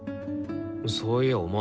そういやお前